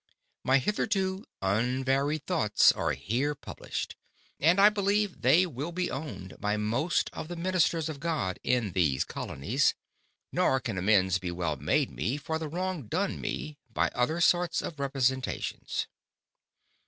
My hitherto unvaried Thoughts are here published; and I believe, they will be owned by most of the Ministers of God in these Colonies; nor can amends be well made me, for the wrong done me, by other sorts of Representations.